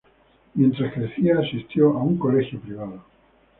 Mientras crecía, asistió a un colegio privado.